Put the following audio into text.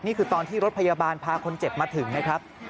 นี่คือตอนที่รถพยาบาลพาคนเจ็บมาถึงนะครับ